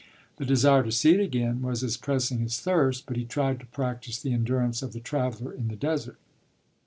The desire to see it again was as pressing as thirst, but he tried to practise the endurance of the traveller in the desert.